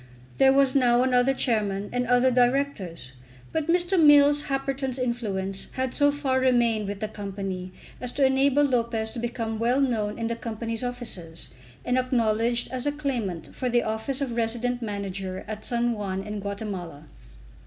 There was now another Chairman and other Directors; but Mr. Mills Happerton's influence had so far remained with the Company as to enable Lopez to become well known in the Company's offices, and acknowledged as a claimant for the office of resident Manager at San Juan in Guatemala.